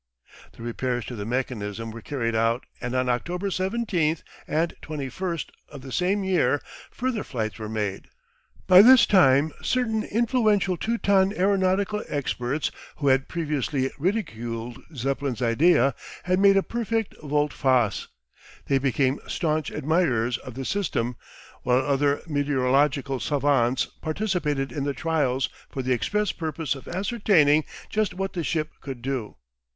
The repairs to the mechanism were carried out and on October 17th and 21st of the same year further flights were made. By this time certain influential Teuton aeronautical experts who had previously ridiculed Zeppelin's idea had made a perfect volte face. They became staunch admirers of the system, while other meteorological savants participated in the trials for the express purpose of ascertaining just what the ship could do.